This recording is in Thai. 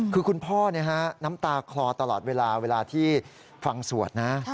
คือคุณพ่อน้ำตาคลอตลอดเวลาเวลาที่ฟังสวดนะ